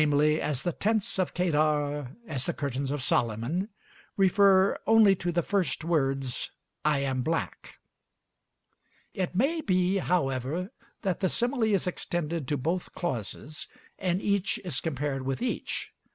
"As the tents of Kedar, as the curtains of Solomon" refer only to the first words, "I am black." It may be, however, that the simile is extended to both clauses, and each is compared with each.